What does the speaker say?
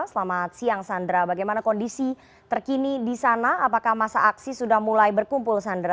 selamat siang sandra bagaimana kondisi terkini di sana apakah masa aksi sudah mulai berkumpul sandra